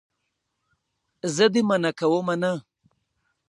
زه دې منع کومه نه.